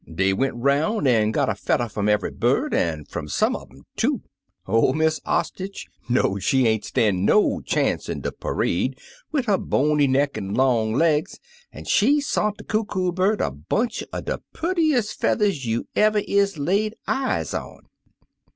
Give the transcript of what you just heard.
Dey went 'roun' an' got a feather fimi eve'y bird, an' fimi some un imi two. 01' Miss Ost'ich know'd she ain't stan' no chance in de parade wid her bony neck an' long legs, an' she sont de Coo Coo Bird a bunch er de purtiest feath ers you ever is lay eyes on.